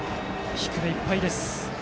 低めいっぱいです。